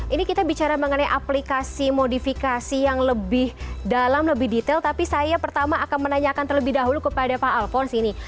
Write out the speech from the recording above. ini kita bicara mengenai aplikasi modifikasi yang lebih dalam lebih detail tapi saya pertama akan menanyakan terlebih dahulu kepada pak alphonse ini